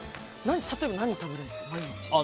例えば何食べるんですか？